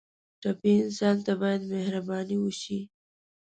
ټپي انسان ته باید مهرباني وشي.